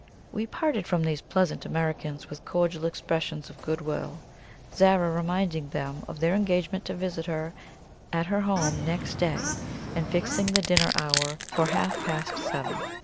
We parted from these pleasant Americans with cordial expressions of goodwill, Zara reminding them of their engagement to visit her at her own home next day, and fixing the dinner hour for half past seven.